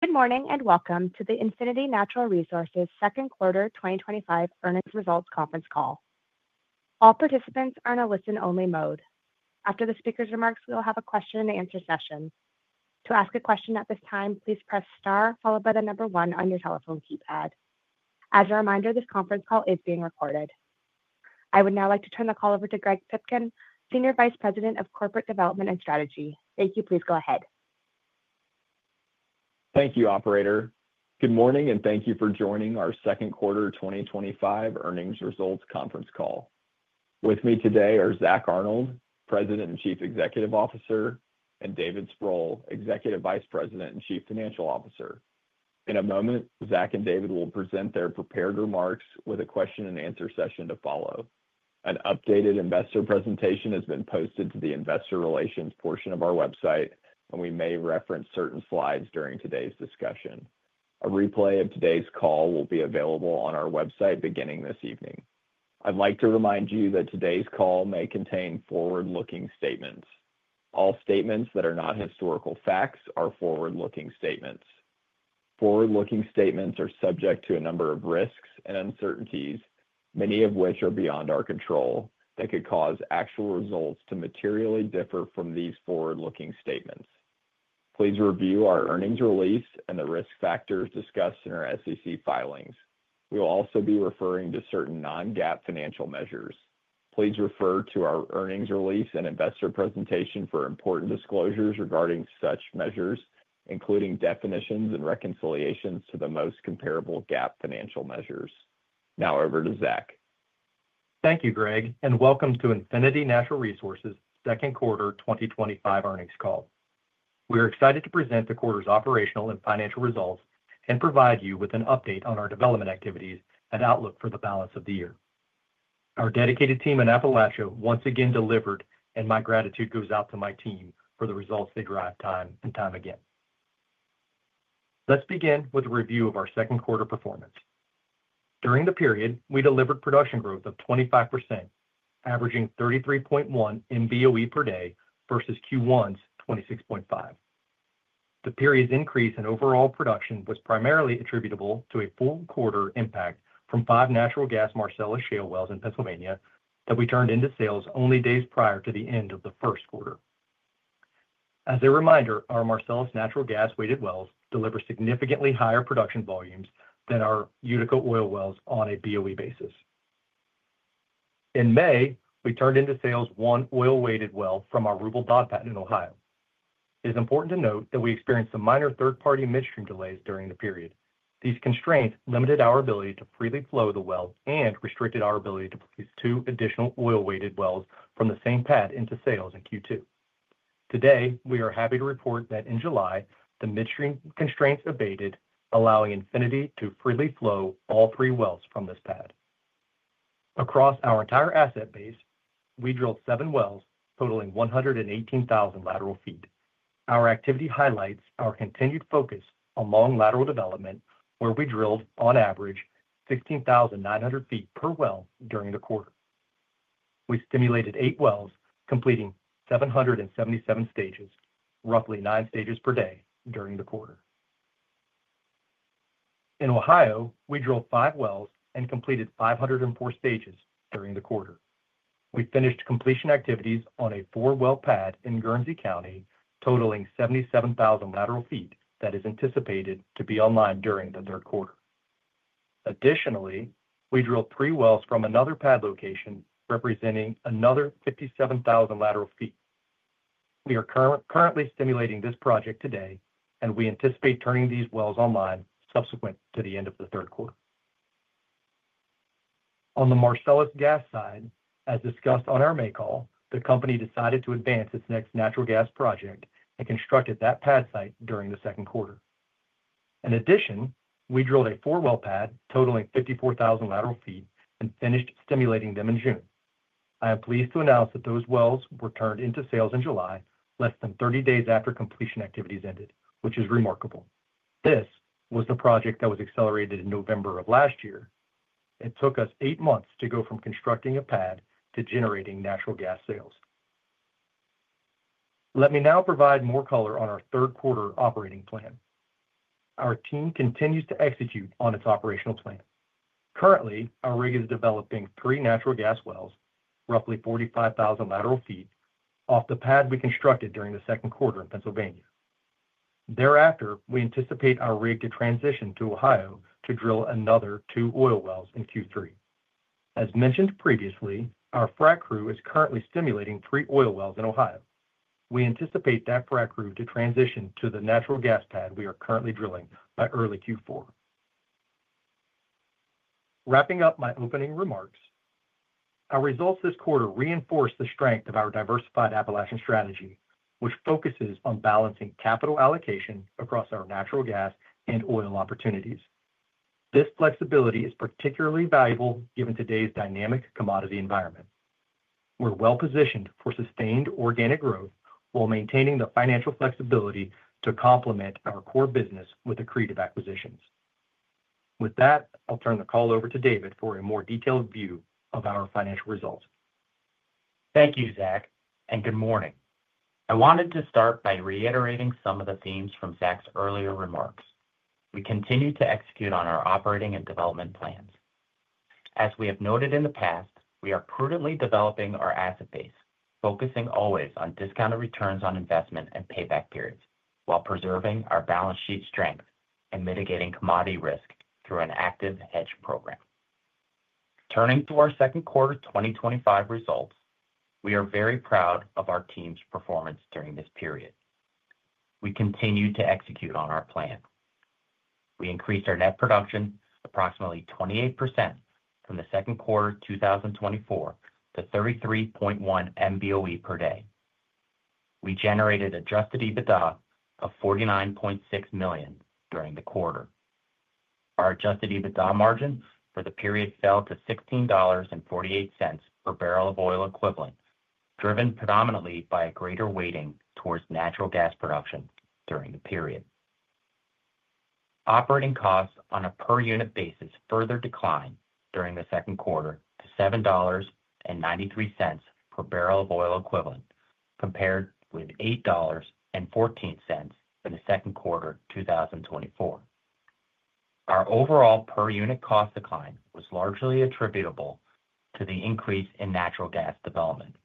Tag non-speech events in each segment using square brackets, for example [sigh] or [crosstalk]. Good morning and welcome to the Infinity Natural Resources Second Quarter 2025 Earnings Results Conference Call. All participants are in a listen-only mode. After the speaker's remarks, we will have a question-and-answer session. To ask a question at this time, please press star followed by the number one on your telephone keypad. As a reminder, this conference call is being recorded. I would now like to turn the call over to Greg Pipkin, Senior Vice President of Corporate Development and Strategy. Greg, you please go ahead. Thank you, operator. Good morning and thank you for joining our Second Quarter 2025 Earnings Results Conference Call. With me today are Zack Arnold, President and Chief Executive Officer, and David Sproule, Executive Vice President and Chief Financial Officer. In a moment, Zack and David will present their prepared remarks with a question-and-answer session to follow. An updated investor presentation has been posted to the Investor Relations portion of our website, and we may reference certain slides during today's discussion. A replay of today's call will be available on our website beginning this evening. I'd like to remind you that today's call may contain forward-looking statements. All statements that are not historical facts are forward-looking statements. Forward-looking statements are subject to a number of risks and uncertainties, many of which are beyond our control, that could cause actual results to materially differ from these forward-looking statements. Please review our earnings release and the risk factors discussed in our SEC filings. We will also be referring to certain non-GAAP financial measures. Please refer to our earnings release and investor presentation for important disclosures regarding such measures, including definitions and reconciliations to the most comparable GAAP financial measures. Now over to Zack. Thank you, Greg, and welcome to Infinity Natural Resources' Second Quarter 2025 Earnings Call. We are excited to present the quarter's operational and financial results and provide you with an update on our development activities and outlook for the balance of the year. Our dedicated team in Appalachia once again delivered, and my gratitude goes out to my team for the results they derive time and time again. Let's begin with a review of our second quarter performance. During the period, we delivered production growth of 25%, averaging 33.1 Mboe/d versus Q1's 26.5. The period's increase in overall production was primarily attributable to a full quarter impact from five natural gas Marcellus Shale wells in Pennsylvania that we turned into sales only days prior to the end of the first quarter. As a reminder, our Marcellus natural gas weighted wells deliver significantly higher production volumes than our Utica oil wells on a BOE basis. In May, we turned into sales one oil-weighted well from our RubelDodd pad in Ohio. It is important to note that we experienced some minor third-party midstream delays during the period. These constraints limited our ability to freely flow the well and restricted our ability to produce two additional oil-weighted wells from the same pad into sales in Q2. Today, we are happy to report that in July, the midstream constraints abated, allowing Infinity to freely flow all three wells from this pad. Across our entire asset base, we drilled seven wells totaling 118,000 lateral ft. Our activity highlights our continued focus on long-lateral development, where we drilled, on average, 16,900 ft per well during the quarter. We stimulated eight wells, completing 777 stages, roughly nine stages per day during the quarter. In Ohio, we drilled five wells and completed 504 stages during the quarter. We finished completion activities on a four-well pad in Guernsey County, totaling 77,000 lateral ft that is anticipated to be online during the third quarter. Additionally, we drilled three wells from another pad location, representing another 57,000 lateral ft. We are currently stimulating this project today, and we anticipate turning these wells online subsequent to the end of the third quarter. On the Marcellus gas side, as discussed on our May call, the company decided to advance its next natural gas project and constructed that pad site during the second quarter. In addition, we drilled a four-well pad totaling 54,000 lateral ft and finished stimulating them in June. I am pleased to announce that those wells were turned into sales in July, less than 30 days after completion activities ended, which is remarkable. This was the project that was accelerated in November of last year. It took us eight months to go from constructing a pad to generating natural gas sales. Let me now provide more color on our third quarter operating plan. Our team continues to execute on its operational plan. Currently, our rig is developing three natural gas wells, roughly 45,000 lateral ft, off the pad we constructed during the second quarter in Pennsylvania. Thereafter, we anticipate our rig to transition to Ohio to drill another two oil wells in Q3. As mentioned previously, our frac crew is currently stimulating three oil wells in Ohio. We anticipate that frac crew to transition to the natural gas pad we are currently drilling by early Q4. Wrapping up my opening remarks, our results this quarter reinforce the strength of our diversified Appalachian strategy, which focuses on balancing capital allocation across our natural gas and oil opportunities. This flexibility is particularly valuable given today's dynamic commodity environment. We're well positioned for sustained organic growth while maintaining the financial flexibility to complement our core business with accretive acquisitions. With that, I'll turn the call over to David for a more detailed view of our financial results. Thank you, Zack, and good morning. I wanted to start by reiterating some of the themes from Zack's earlier remarks. We continue to execute on our operating and development plans. As we have noted in the past, we are prudently developing our asset base, focusing always on discounted returns on investment and payback periods, while preserving our balance sheet strength and mitigating commodity risk through an active hedge program. Turning to our second quarter 2025 results, we are very proud of our team's performance during this period. We continued to execute on our plan. We increased our net production approximately 28% from the second quarter 2024 to 33.1 Mboe/d. We generated an adjusted EBITDA of $49.6 million during the quarter. Our adjusted EBITDA margin for the period fell to $16.48 per barrel of oil equivalent, driven predominantly by a greater weighting towards natural gas production during the period. Operating costs on a per-unit basis further declined during the second quarter to $7.93 per barrel of oil equivalent, compared with $8.14 in the second quarter 2024. Our overall per-unit cost decline was largely attributable to the increase in natural gas development.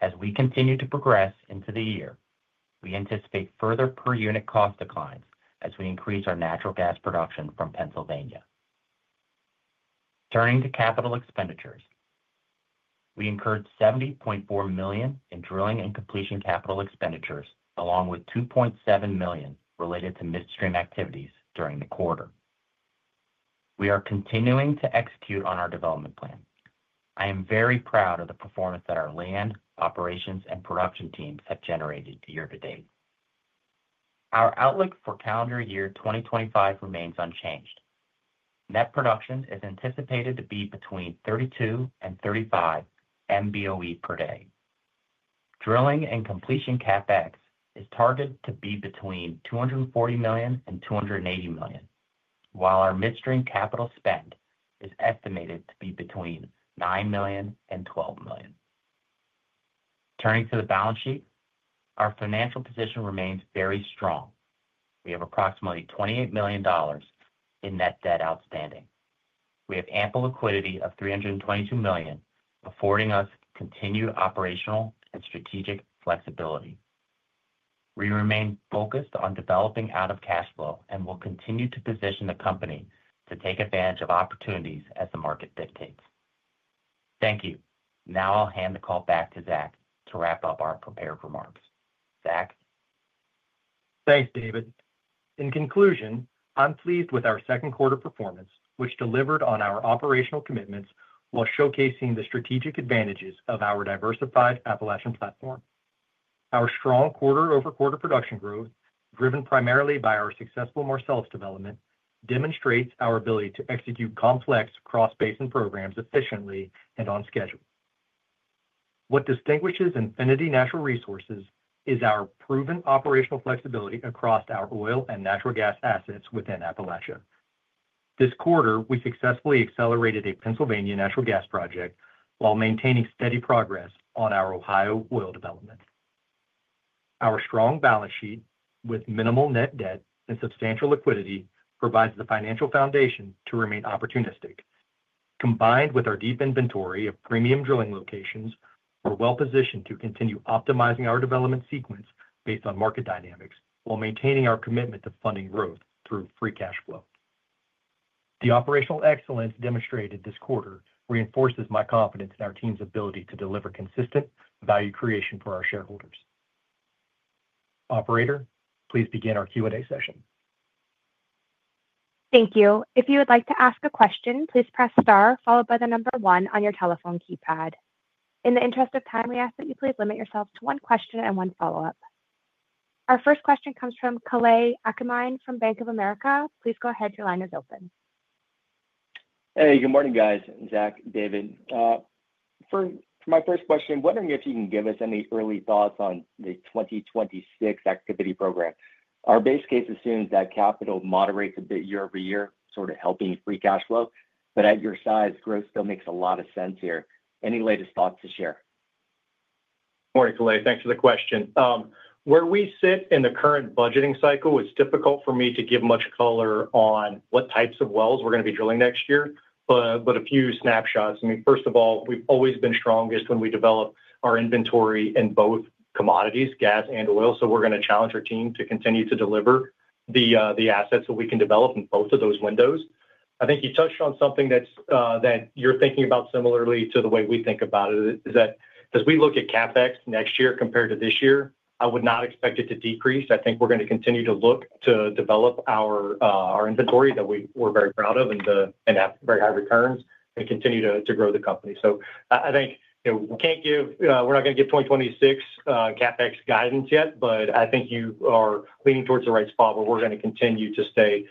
As we continue to progress into the year, we anticipate further per-unit cost declines as we increase our natural gas production from Pennsylvania. Turning to capital expenditures, we incurred $70.4 million in drilling and completion CapEx, along with $2.7 million related to midstream activities during the quarter. We are continuing to execute on our development plan. I am very proud of the performance that our land operations and production teams have generated year to date. Our outlook for calendar year 2025 remains unchanged. Net production is anticipated to be between 32 Mboe/d and 35 Mboe/d. Drilling and completion CapEx is targeted to be between $240 million and $280 million, while our midstream capital spend is estimated to be between $9 million and $12 million. Turning to the balance sheet, our financial position remains very strong. We have approximately $28 million in net debt outstanding. We have ample liquidity of $322 million, affording us continued operational and strategic flexibility. We remain focused on developing out of cash flow and will continue to position the company to take advantage of opportunities as the market dictates. Thank you. Now I'll hand the call back to Zack to wrap up our prepared remarks. Zack? Thanks, David. In conclusion, I'm pleased with our second quarter performance, which delivered on our operational commitments while showcasing the strategic advantages of our diversified Appalachian platform. Our strong quarter-over-quarter production growth, driven primarily by our successful Marcellus development, demonstrates our ability to execute complex cross-basin programs efficiently and on schedule. What distinguishes Infinity Natural Resources is our proven operational flexibility across our oil and natural gas assets within Appalachia. This quarter, we successfully accelerated a Pennsylvania natural gas project while maintaining steady progress on our Ohio oil development. Our strong balance sheet, with minimal net debt and substantial liquidity, provides the financial foundation to remain opportunistic. Combined with our deep inventory of premium drilling locations, we're well positioned to continue optimizing our development sequence based on market dynamics while maintaining our commitment to funding growth through free cash flow. The operational excellence demonstrated this quarter reinforces my confidence in our team's ability to deliver consistent value creation for our shareholders. Operator, please begin our Q&A session. Thank you. If you would like to ask a question, please press star followed by the number one on your telephone keypad. In the interest of time, we ask that you please limit yourself to one question and one follow-up. Our first question comes from Kalei Akamine from Bank of America. Please go ahead. Your line is open. Hey, good morning, guys. Zack, David. For my first question, I'm wondering if you can give us any early thoughts on the 2026 activity program. Our base case assumes that capital moderates a bit year-over-year, sort of helping free cash flow. At your size, growth still makes a lot of sense here. Any latest thoughts to share? Morning, Kalei. Thanks for the question. Where we sit in the current budgeting cycle, it's difficult for me to give much color on what types of wells we're going to be drilling next year, but a few snapshots. First of all, we've always been strongest when we develop our inventory in both commodities, gas and oil. We're going to challenge our team to continue to deliver the assets so we can develop in both of those windows. I think you touched on something that you're thinking about similarly to the way we think about it, is that as we look at CapEx next year compared to this year, I would not expect it to decrease. I think we're going to continue to look to develop our inventory that we're very proud of and have very high returns and continue to grow the company. We can't give, we're not going to give 2026 CapEx guidance yet, but I think you are leaning towards the right spot where we're going to continue to stay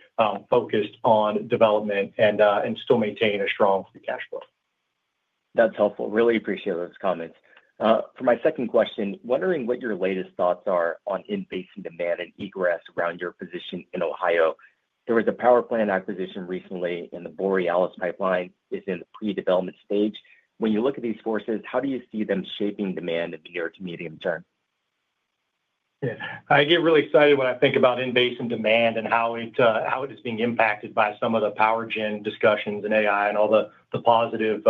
focused on development and still maintain a strong free cash flow. That's helpful. Really appreciate those comments. For my second question, wondering what your latest thoughts are on in-basin demand and egress around your position in Ohio. There was a power plant positioned recently, and the Borealis pipeline is in the pre-development stage. When you look at these forces, how do you see them shaping demand in the near to medium term? Yes, I get really excited when I think about inpatient demand and how it is being impacted by some of the power gen discussions and AI and all the positive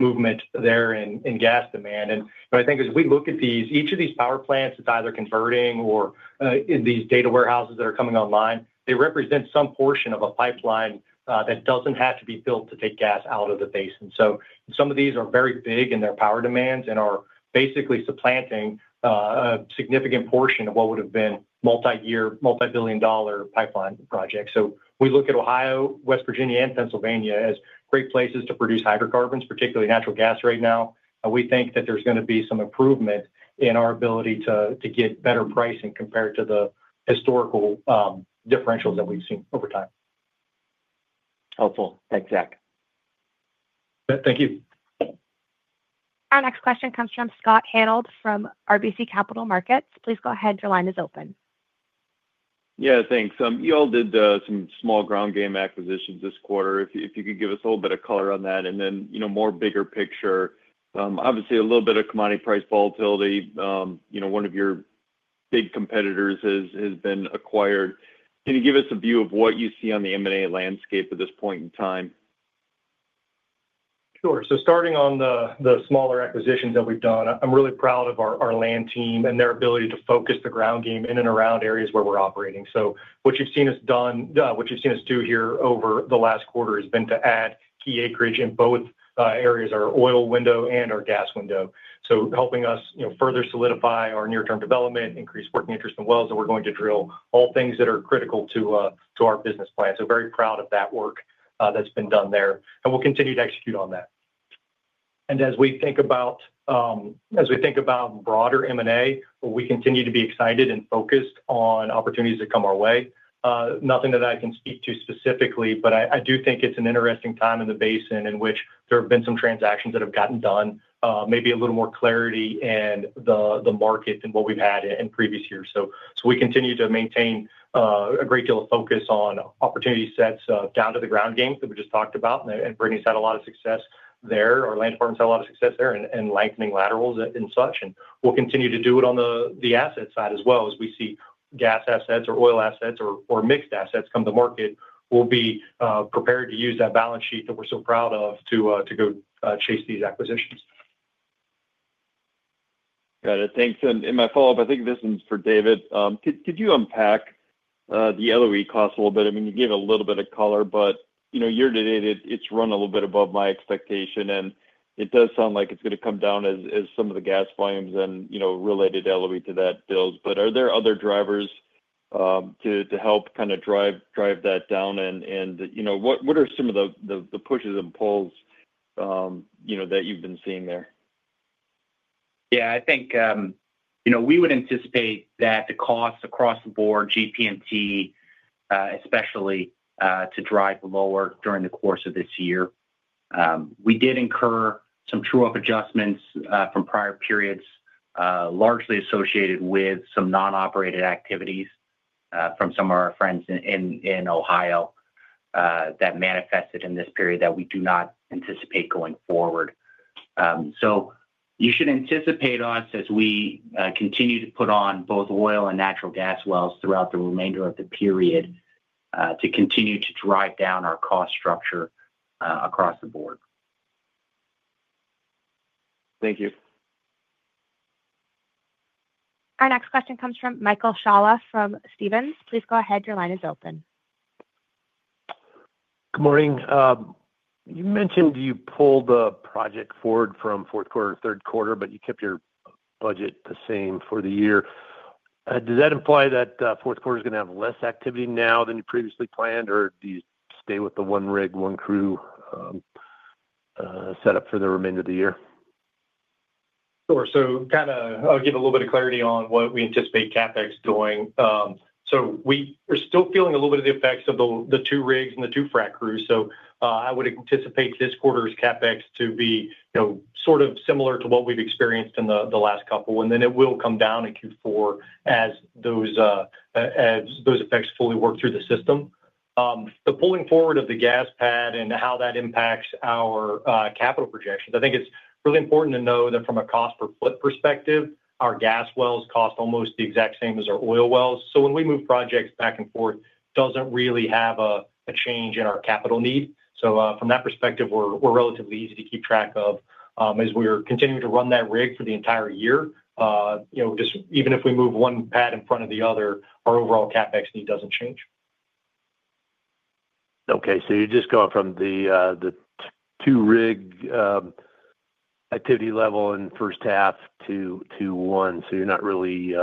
movement there in gas demand. I think as we look at these, each of these power plants that's either converting or in these data warehouses that are coming online, they represent some portion of a pipeline that doesn't have to be built to take gas out of the basin. Some of these are very big in their power demands and are basically supplanting a significant portion of what would have been multi-year, multi-billion dollar pipeline projects. We look at Ohio, West Virginia, and Pennsylvania as great places to produce hydrocarbons, particularly natural gas right now. We think that there's going to be some improvement in our ability to get better pricing compared to the historical differentials that we've seen over time. Helpful. Thanks, Zack. Thank you. Our next question comes from Scott Hanold from RBC Capital Markets. Please go ahead. Your line is open. Yeah, thanks. You all did some small ground game acquisitions this quarter. If you could give us a little bit of color on that and then, you know, more bigger picture. Obviously, a little bit of commodity price volatility. You know, one of your big competitors has been acquired. Can you give us a view of what you see on the M&A landscape at this point in time? Sure. Starting on the smaller acquisitions that we've done, I'm really proud of our land team and their ability to focus the ground game in and around areas where we're operating. What you've seen us do here over the last quarter has been to add key acreage in both areas, our oil window and our gas window, helping us further solidify our near-term development and increase working interest in wells that we're going to drill, all things that are critical to our business plan. I'm very proud of that work that's been done there, and we'll continue to execute on that. As we think about broader M&A, we continue to be excited and focused on opportunities that come our way. Nothing that I can speak to specifically, but I do think it's an interesting time in the basin in which there have been some transactions that have gotten done, maybe a little more clarity in the market than what we've had in previous years. We continue to maintain a great deal of focus on opportunity sets down to the ground game that we just talked about. Britney's had a lot of success there. Our land department's had a lot of success there in lengthening laterals and such, and we'll continue to do it on the asset side as well. As we see gas assets or oil assets or mixed assets come to market, we'll be prepared to use that balance sheet that we're so proud of to go chase these acquisitions. Got it. Thanks. In my follow-up, I think this one's for David. Could you unpack the LOE costs a little bit? I mean, you gave a little bit of color, but you know year to date, it's run a little bit above my expectation. It does sound like it's going to come down as some of the gas volumes and related LOE to that build. Are there other drivers to help kind of drive that down? What are some of the pushes and pulls that you've been seeing there? I think you know we would anticipate that the costs across the board, GP&T especially, to drive lower during the course of this year. We did incur some true-up adjustments from prior periods, largely associated with some non-operated activities from some of our friends in Ohio that manifested in this period that we do not anticipate going forward. You should anticipate us as we continue to put on both oil and natural gas wells throughout the remainder of the period to continue to drive down our cost structure across the board. Thank you. Our next question comes from Michael Scialla from Stephens. Please go ahead. Your line is open. Good morning. You mentioned you pulled the project forward from fourth quarter to third quarter, but you kept your budget the same for the year. Does that imply that the fourth quarter is going to have less activity now than you previously planned, or do you stay with the one rig, one crew setup for the remainder of the year? Sure. I'll give a little bit of clarity on what we anticipate CapEx doing. We are still feeling a little bit of the effects of the two rigs and the two frac crews. I would anticipate this quarter's CapEx to be sort of similar to what we've experienced in the last couple. It will come down in Q4 as those effects fully work through the system. The pulling forward of the gas pad and how that impacts our capital projections, I think it's really important to know that from a cost per foot perspective, our gas wells cost almost the exact same as our oil wells. When we move projects back and forth, it doesn't really have a change in our capital need. From that perspective, we're relatively easy to keep track of as we're continuing to run that rig for the entire year. Even if we move one pad in front of the other, our overall CapEx need doesn't change. Okay. You're just going from the two-rig activity level in the first half to one, so you're not really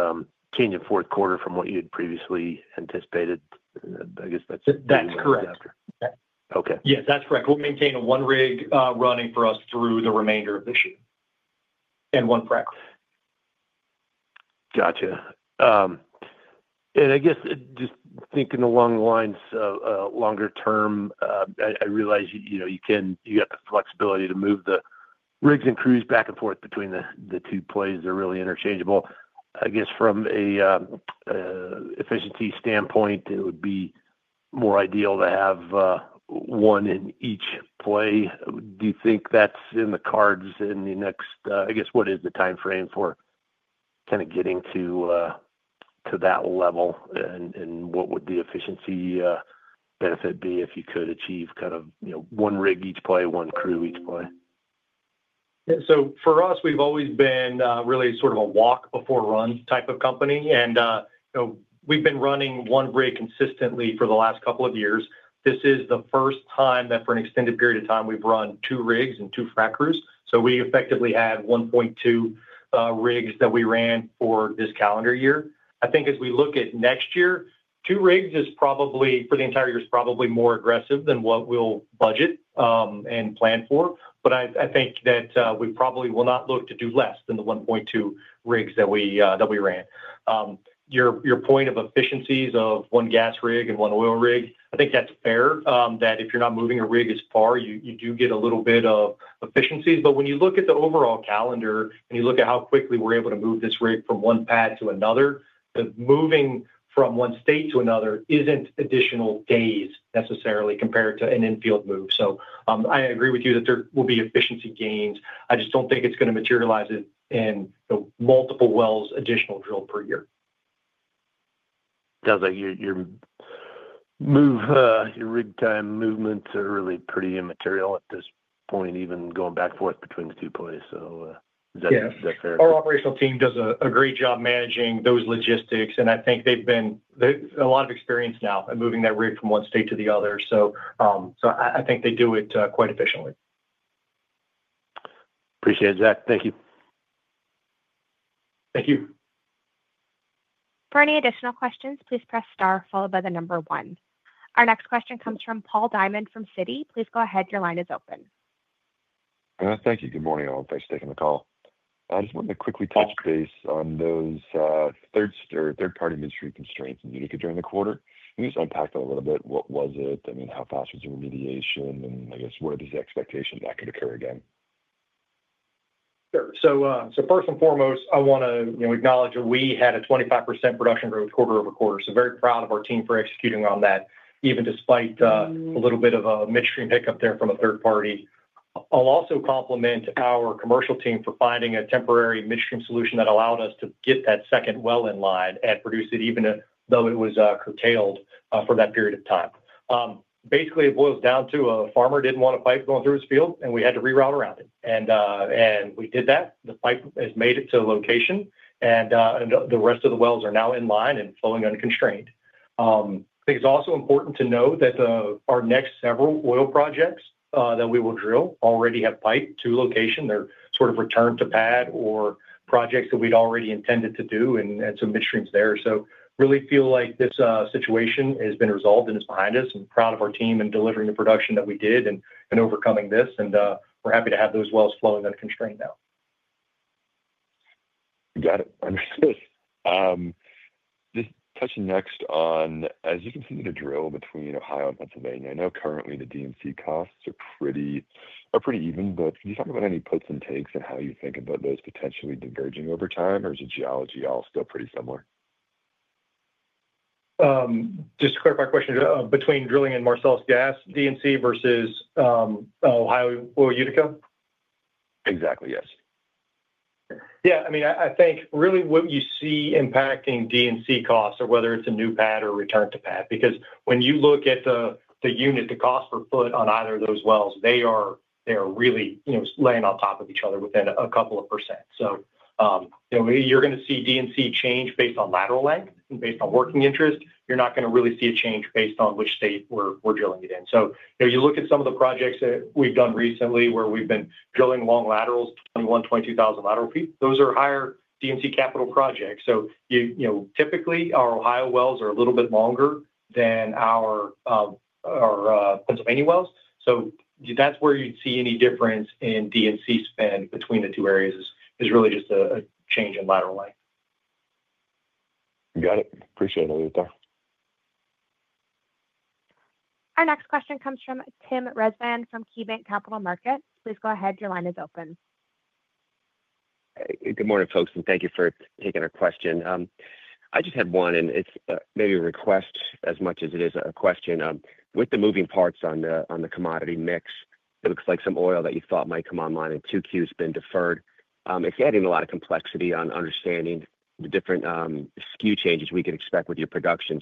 changing fourth quarter from what you had previously anticipated, I guess. That is correct. After. Okay. Yes, that's correct. We'll maintain one rig running for us through the remainder of this year and one frac. Gotcha. I guess just thinking along the lines of longer term, I realize you know, you have the flexibility to move the rigs and crews back and forth between the two plays. They're really interchangeable. I guess from an efficiency standpoint, it would be more ideal to have one in each play. Do you think that's in the cards in the next, I guess, what is the timeframe for kind of getting to that level? What would the efficiency benefit be if you could achieve kind of, you know, one rig each play, one crew each play? Yeah. For us, we've always been really sort of a walk-before-run type of company. You know, we've been running one rig consistently for the last couple of years. This is the first time that for an extended period of time we've run two rigs and two frac crews. We effectively had 1.2 rigs that we ran for this calendar year. I think as we look at next year, two rigs for the entire year is probably more aggressive than what we'll budget and plan for. I think that we probably will not look to do less than the 1.2 rigs that we ran. Your point of efficiencies of one gas rig and one oil rig, I think that's fair, that if you're not moving a rig as far, you do get a little bit of efficiencies. When you look at the overall calendar and you look at how quickly we're able to move this rig from one pad to another, moving from one state to another isn't additional days necessarily compared to an infield move. I agree with you that there will be efficiency gains. I just don't think it's going to materialize in multiple wells additional drilled per year. It sounds like your rig time movements are really pretty immaterial at this point, even going back and forth between the two plays. Is that fair? Yes. Our operational team does a great job managing those logistics. I think they've been a lot of experience now at moving that rig from one state to the other. I think they do it quite efficiently. Appreciate it, Zack. Thank you. Thank you. For any additional questions, please press star followed by the number one. Our next question comes from Paul Diamond from Citi. Please go ahead. Your line is open. Thank you. Good morning, all. Thanks for taking the call. I just wanted to quickly touch base on those third-party midstream constraints that you need to address during the quarter. Can you just unpack that a little bit? What was it? I mean, how fast was the remediation? What is the expectation that could occur again? Sure. First and foremost, I want to acknowledge that we had a 25% production growth quarter-over-quarter. I am very proud of our team for executing on that, even despite a little bit of a midstream hiccup there from a third party. I will also compliment our commercial team for finding a temporary midstream solution that allowed us to get that second well in line and produce it, even though it was curtailed for that period of time. Basically, it boils down to a farmer did not want a pipe going through his field, and we had to reroute around it. We did that. The pipe has made it to the location, and the rest of the wells are now in line and flowing unconstrained. I think it is also important to know that our next several oil projects that we will drill already have pipe to location. They are sort of returned to pad or projects that we had already intended to do and had some midstreams there. I really feel like this situation has been resolved and is behind us. I am proud of our team in delivering the production that we did and overcoming this. We are happy to have those wells flowing unconstrained now. Got it. Understood. Just touching next on, as you continue to drill between Ohio and Pennsylvania, I know currently the D&C costs are pretty even, but can you talk about any puts and takes and how you think about those potentially diverging over time, or is the geology all still pretty similar? Just to clarify the question, between drilling in Marcellus gas D&C versus Ohio oil Utica? Exactly, yes. Yeah. I mean, I think really what you see impacting D&C costs is whether it's a new pad or return to pad, because when you look at the unit, the cost per foot on either of those wells, they are really laying on top of each other within a couple of per cent. You know you're going to see D&C change based on lateral length and based on working interest. You're not going to really see a change based on which state we're drilling it in. You look at some of the projects that we've done recently where we've been drilling long laterals on 120,000 lateral piece. Those are higher D&C capital projects. Typically, our Ohio wells are a little bit longer than our Pennsylvania wells. That's where you'd see any difference in D&C spend between the two areas, it's really just a change in lateral length. Got it. Appreciate all your time. Our next question comes from Tim Rezvan from KeyBanc Capital Markets. Please go ahead. Your line is open. Good morning, folks, and thank you for taking our question. I just had one, and it's maybe a request as much as it is a question. With the moving parts on the commodity mix, it looks like some oil that you thought might come online in two queues has been deferred. It's adding a lot of complexity on understanding the different SKU changes we could expect with your production.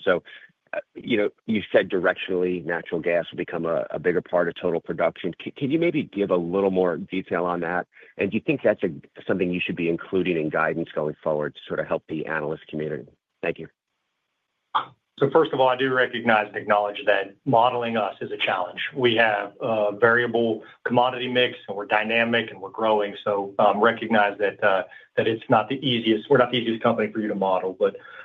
You said directionally, natural gas will become a bigger part of total production. Can you maybe give a little more detail on that? Do you think that's something you should be including in guidance going forward to sort of help the analyst community? Thank you. First of all, I do recognize and acknowledge that modeling us is a challenge. We have a variable commodity mix, and we're dynamic, and we're growing. I recognize that we're not the easiest company for you to model.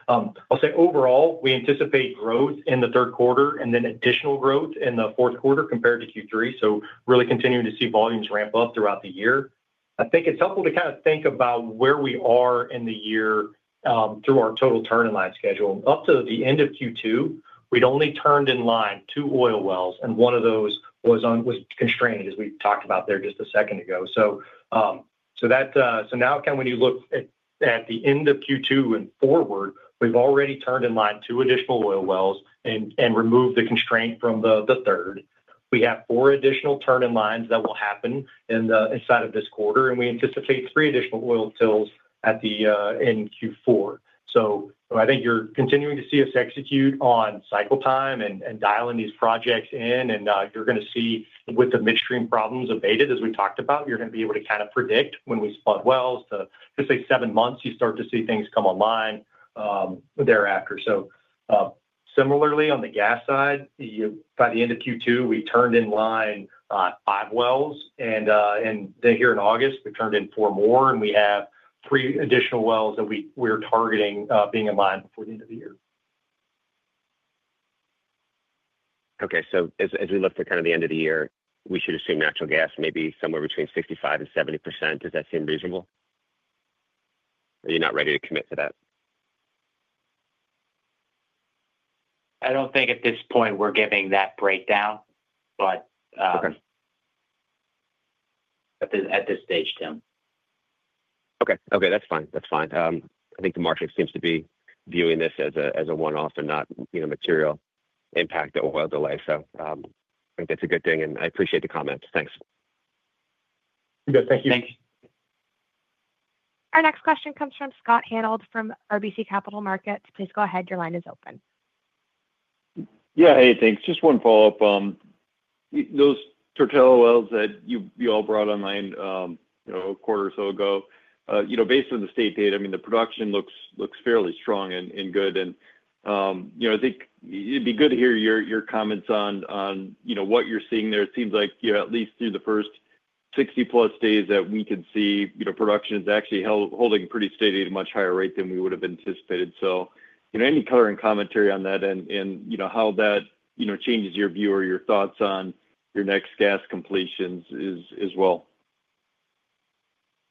I'll say overall, we anticipate growth in the third quarter and then additional growth in the fourth quarter compared to Q3. We're really continuing to see volumes ramp up throughout the year. I think it's helpful to kind of think about where we are in the year through our total turn-in-line schedule. Up to the end of Q2, we'd only turned in line two oil wells, and one of those was constrained, as we talked about there just a second ago. Now, when you look at the end of Q2 and forward, we've already turned in line two additional oil wells and removed the constraint from the third. We have four additional turn-in-lines that will happen inside of this quarter, and we anticipate three additional oil tills at the end of Q4. I think you're continuing to see us execute on cycle time and dialing these projects in, and you're going to see with the midstream problems abated, as we talked about, you're going to be able to kind of predict when we spun wells to, let's say, seven months, you start to see things come online thereafter. Similarly, on the gas side, by the end of Q2, we turned in line five wells, and here in August, we turned in four more, and we have three additional wells that we're targeting being in line before the end of the year. Okay. As we look for kind of the end of the year, we should assume natural gas may be somewhere between 65% and 70%. Does that seem reasonable? Are you not ready to commit to that? I don't think at this point we're giving that breakdown, but at this stage, Tim. Okay. I think the market seems to be viewing this as a one-off and not, you know, material impact to oil delay. I think that's a good thing, and I appreciate the comments. Thanks. Good, thank you. Thanks. Our next question comes from Scott Hanold from RBC Capital Markets. Please go ahead. Your line is open. Yeah. Hey, thanks. Just one follow-up. Those [unintelligible] wells that you all brought online a quarter or so ago, based on the state data, the production looks fairly strong and good. I think it'd be good to hear your comments on what you're seeing there. It seems like, at least through the first 60+ days that we can see, production is actually holding pretty steady at a much higher rate than we would have anticipated. Any color and commentary on that and how that changes your view or your thoughts on your next gas completions as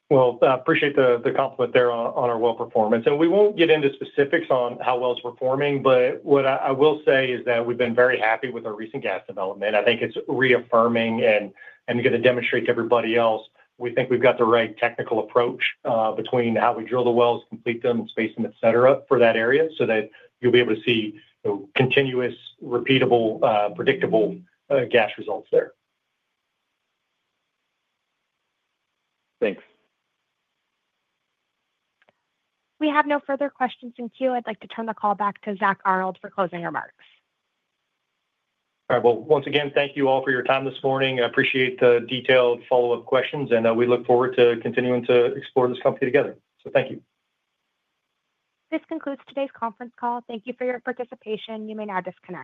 well? I appreciate the compliment there on our well performance. We won't get into specifics on how well it's performing, but what I will say is that we've been very happy with our recent gas development. I think it's reaffirming and I'm going to demonstrate to everybody else, we think we've got the right technical approach between how we drill the wells, complete them, space them, etc., for that area so that you'll be able to see continuous, repeatable, predictable gas results there. Thanks. We have no further questions in queue. I'd like to turn the call back to Zack Arnold for closing remarks. All right. Once again, thank you all for your time this morning. I appreciate the detailed follow-up questions, and we look forward to continuing to explore this company together. Thank you. This concludes today's conference call. Thank you for your participation. You may now disconnect.